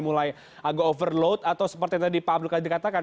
mulai agak overload atau seperti tadi pak abdul qadir katakan